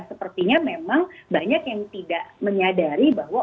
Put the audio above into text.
sepertinya memang banyak yang tidak menyadari bahwa